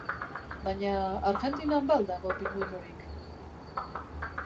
Baina Argentinan ba al dago pinguinorik?